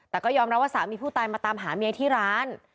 แต่ก็ยอมรับว่าสามีผู้ตายมาตามหาเมียที่ร้าน